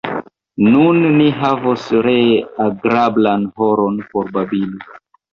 Nun ni havos ree agrablan horon por babili.